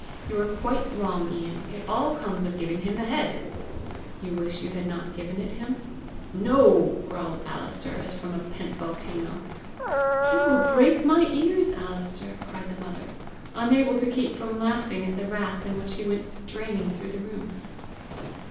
You are quite wrong, Ian; it all comes of giving him the head!" "You wish you had not given it him?" "No!" growled Alister, as from a pent volcano. "You will break my ears, Alister!" cried the mother, unable to keep from laughing at the wrath in which he went straining through the room.